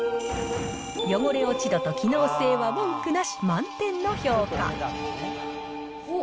汚れ落ち度と機能性は文句なし、おっ。